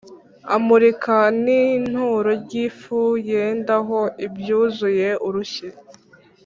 Amurika n ituro ry ifu yendaho ibyuzuye urushyi